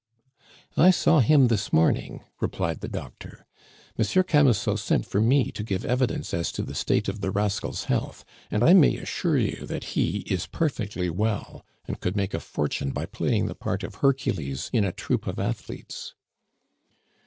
"I saw him this morning," replied the doctor. "Monsieur Camusot sent for me to give evidence as to the state of the rascal's health, and I may assure you that he is perfectly well, and could make a fortune by playing the part of Hercules in a troupe of athletes."